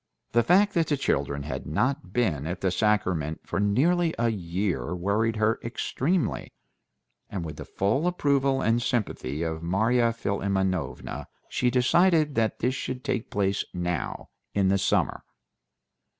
The fact that the children had not been at the sacrament for nearly a year worried her extremely, and with the full approval and sympathy of Marya Philimonovna she decided that this should take place now in the summer.